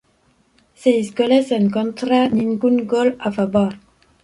Seis goles en contra, ningún gol a favor.